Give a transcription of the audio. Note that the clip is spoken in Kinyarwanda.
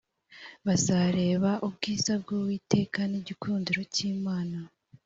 bazareba ubwiza bw’uwiteka n’igikundiro cy’imana